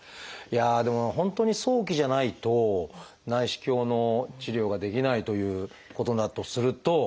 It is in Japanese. でも本当に早期じゃないと内視鏡の治療ができないということだとすると。